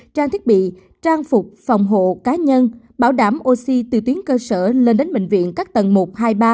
trang thiết bị trang phục phòng hộ cá nhân bảo đảm oxy từ tuyến cơ sở lên đến bệnh viện các tầng một hai mươi ba